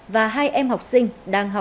và hai em học sinh